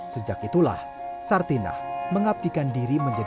sejak itulah sartinah mengabdikan diri menjadi